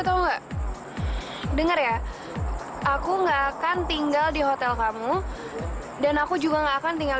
itu enggak dengar ya aku nggak akan tinggal di hotel kamu dan aku juga nggak akan tinggal